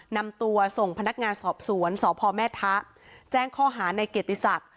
นำตัวส่งพนักงานสอบสวนสพแม่ทะแจ้งข้อหาในเกียรติศักดิ์